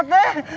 motor saya teh